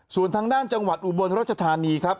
ส่วนทางด้านจังหวัดอุบลรัชธานีครับ